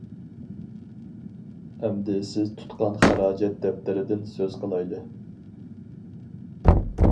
ئەمدى سىز تۇتقان خىراجەت دەپتىرىدىن سۆز قىلايلى.